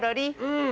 うん。